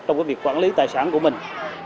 trong việc quản lý tài sản của mình